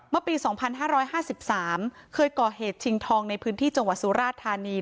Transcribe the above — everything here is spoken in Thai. เมื่อปี๒๕๕๓เคยก่อเหตุชิงทองในพื้นที่จังหวัดสุราธานี